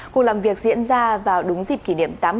cuộc làm việc diễn ra vào đúng dịp kỷ niệm